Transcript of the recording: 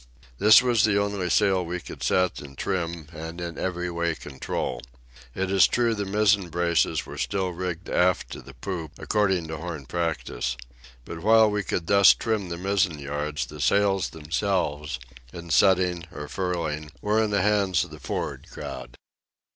This was the only sail we could set and trim and in every way control. It is true the mizzen braces were still rigged aft to the poop, according to Horn practice. But, while we could thus trim the mizzen yards, the sails themselves, in setting or furling, were in the hands of the for'ard crowd.